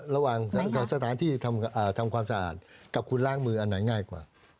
ระหว่างสถานที่ทำความสะอาดกับคุณล้างมืออันไหนง่ายกว่า